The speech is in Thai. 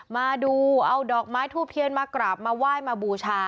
มาดูเอาดอกไม้ทูบเทียนมากราบมาไหว้มาบูชา